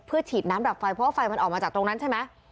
ฉีดน้ำดับไฟเพราะว่าไฟมันออกมาจากตรงนั้นใช่ไหม